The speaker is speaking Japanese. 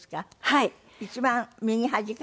はい。